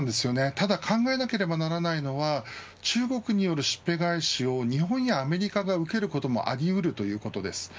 ただ、考えなければならないのは中国によるしっぺ返しを日本やアメリカが受けることもありうるということです。